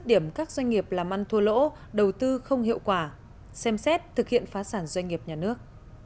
điểm các doanh nghiệp làm ăn thua lỗ đầu tư không hiệu quả xem xét thực hiện phá sản doanh nghiệp nhà nước